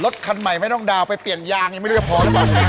รถคันใหม่ไม่ต้องดาวไปเปลี่ยนยางยังไม่ได้พอนะครับ